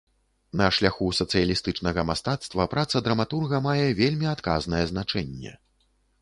На шляху сацыялістычнага мастацтва праца драматурга мае вельмі адказнае значэнне.